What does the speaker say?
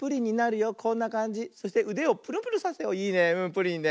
プリンね。